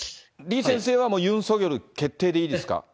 李先生はもう、ユン・ソギョル決定でいいですか？